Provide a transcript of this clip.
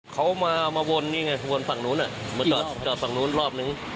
เขามาวนนี่ไงวนฝั่งนู้นมาจอดฝั่งนู้นรอบนึง